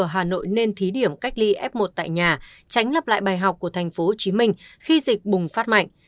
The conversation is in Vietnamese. hà nội nên thí điểm cách ly f một tại nhà tránh lập lại bài học của tp hcm khi dịch bùng phát mạnh